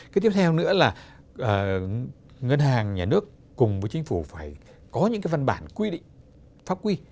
cái tiếp theo nữa là ngân hàng nhà nước cùng với chính phủ phải có những cái văn bản quy định pháp quy